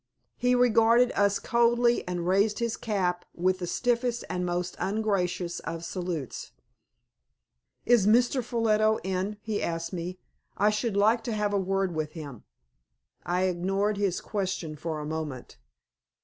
He regarded us coldly, and raised his cap with the stiffest and most ungracious of salutes. "Is Mr. Ffolliot in?" he asked me. "I should like to have a word with him." I ignored his question for a moment.